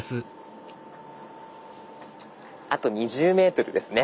あと２０ｍですね。